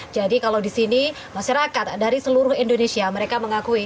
jadi kalau di sini masyarakat dari seluruh indonesia mereka mengakui